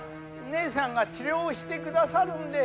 ねえさんが治療してくださるんで。